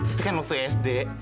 itu kan waktu sd